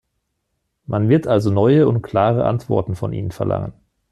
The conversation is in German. Man wird also neue und klare Antworten von Ihnen verlangen.